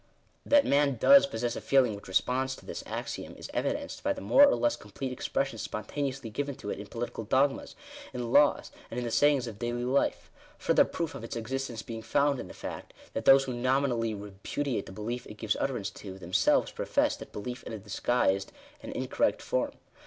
That man does possess a feeling which responds to this axiom, is evidenced by the more or less complete expres sion spontaneously given to it in political dogmas, in laws, and in the sayings of daily life : further proof of its existence being found in the fact, that those who nominally repudiate the be lief it gives utterance to, themselves profess that belief in a disguised and incorrect form.